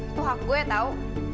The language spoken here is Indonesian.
itu hak gue tau